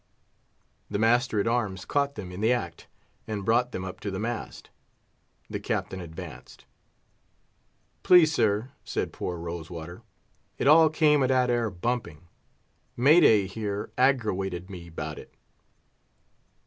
The master at arms caught them in the act, and brought them up to the mast. The Captain advanced. "Please, sir," said poor Rose water, "it all came of dat 'ar bumping; May day, here, aggrawated me 'bout it."